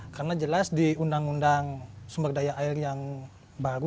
karena jelas di undang undang sumber daya air yang baru